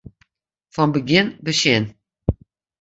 Fan begjin besjen.